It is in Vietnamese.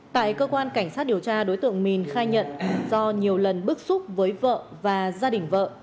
tại cơ quan cảnh sát điều tra đối tượng mn khai nhận do nhiều lần bức xúc với vợ và gia đình vợ